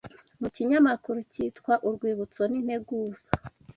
mu kinyamakuru cyitwa Urwibutso n’Integuza